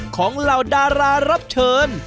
เหล่าดารารับเชิญ